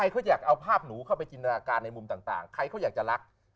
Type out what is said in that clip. เขาอยากเอาภาพหนูเข้าไปจินตนาการในมุมต่างใครเขาอยากจะรัก